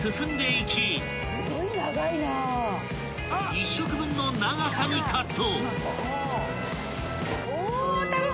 ［１食分の長さにカット］